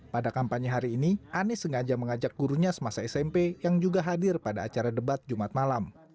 pada kampanye hari ini anies sengaja mengajak gurunya semasa smp yang juga hadir pada acara debat jumat malam